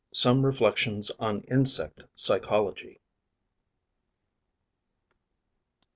SOME REFLECTIONS UPON INSECT PSYCHOLOGY.